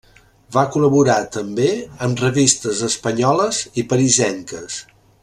Va col·laborar també amb revistes espanyoles i parisenques.